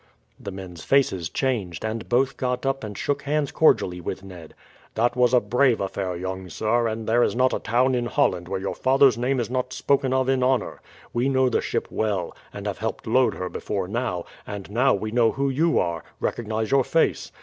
The men's faces changed, and both got up and shook hands cordially with Ned. "That was a brave affair, young sir; and there is not a town in Holland where your father's name is not spoken of in honour. We know the ship well, and have helped load her before now; and now we know who you are, recognize your face.